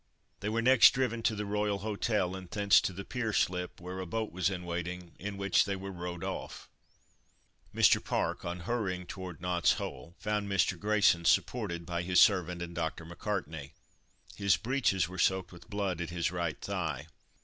They were next driven to the Royal Hotel and thence to the Pier Slip, where a boat was in waiting, in which they were rowed off. Mr. Park, on hurrying forward to Knot's Hole, found Mr. Grayson supported by his servant and Dr. MacCartney. His breeches were soaked with blood at his right thigh.